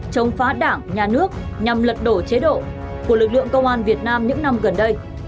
chống phá đảng nhà nước nhằm lật đổ chế độ của lực lượng công an việt nam những năm gần đây